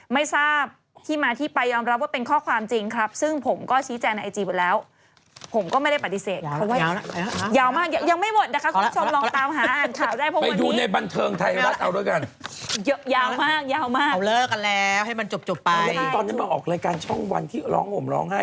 มายังไงหนึ่งตอนนี้มาออกรายการช่องวันที่หล่อโหนมร้องไห้